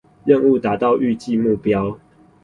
任務達到預計目標